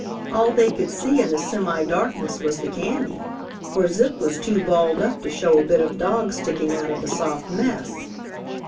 All they could see in the semi darkness was the candy, for Zip was too balled up to show a bit of dog sticking out of the soft mess.